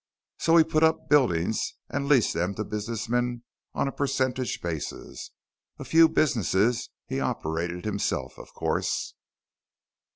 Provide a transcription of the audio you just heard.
So he put up buildings and leased them to businessmen on a percentage basis. A few businesses he operated himself, of course."